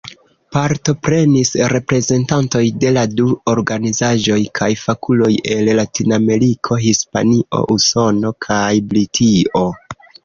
Partoprenis reprezentantoj de la du organizaĵoj kaj fakuloj el Latinameriko, Hispanio, Usono kaj Britio.